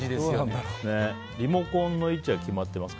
リモコンの位置は決まっていますか？